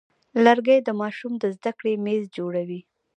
لرګی د ماشوم د زده کړې میز جوړوي.